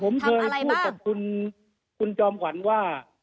ผมเคยพูดกับคุณจอมขวัญว่า